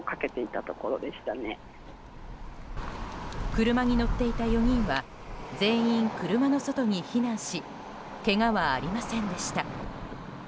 車に乗っていた４人は全員、車の外に避難しけがはありませんでした。